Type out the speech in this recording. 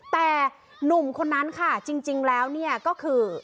แต่หนุ่มคนนั้นค่ะจริงแล้วเนี่ยก็คือ